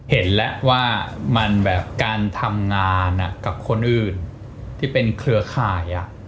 เห็นแล้วว่ามันแบบการทำงานกับคนอื่นที่เป็นเครือข่าย